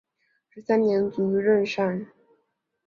十三年卒于任上。